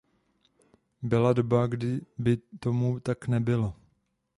Byla doba, kdy by tomu tak nebylo.